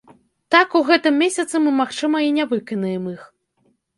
Так, у гэтым месяцы мы, магчыма, і не выканаем іх.